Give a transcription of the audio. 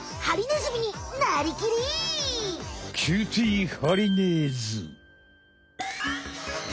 キューティーハリネーズ！